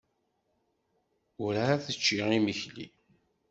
Werɛad tečči imekli.